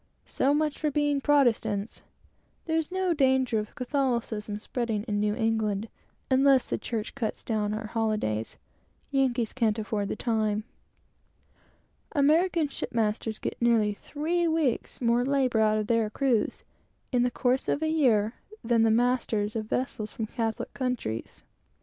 So much for being Protestants. There's no danger of Catholicism's spreading in New England; Yankees can't afford the time to be Catholics. American shipmasters get nearly three weeks more labor out of their crews, in the course of a year, than the masters of vessels from Catholic countries.